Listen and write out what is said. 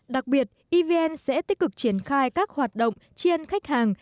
đặc biệt evn sẽ tích cực triển khai các hoạt động chiên khách hàng